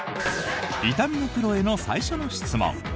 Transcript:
痛みのプロへの最初の質問。